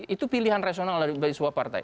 itu pilihan rasional bagi semua partai